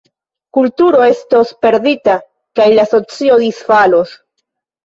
Kulturo estos perdita, kaj la socio disfalos.